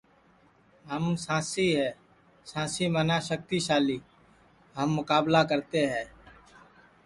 ہم سانسی ہے سانسی منا شکتی شالی کہ ہم مکابلہ کرتے ہے